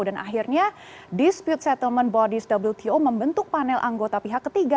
dan akhirnya dispute settlement bodies wto membentuk panel anggota pihak ketiga